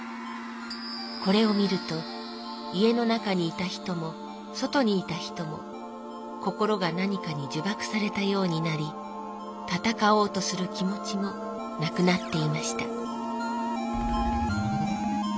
これを見ると家の中にいた人も外にいた人も心が何かにじゅばくされたようになり戦おうとする気もちもなくなっていました」。